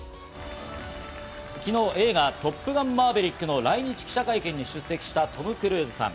昨日、映画『トップガンマーヴェリック』の来日記者会見に出席したトム・クルーズさん。